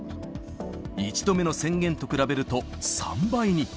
１度目の宣言と比べると３倍に。